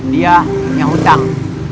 dia punya hutang